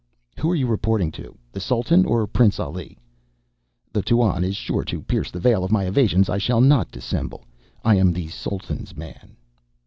"Who are you reporting to? The Sultan or Prince Ali?" "The Tuan is sure to pierce the veil of my evasions. I shall not dissemble. I am the Sultan's man."